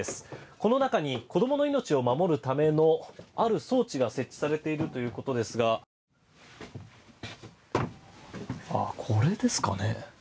この中に子供の命を守るためのある装置が設置されているということですがこれですかね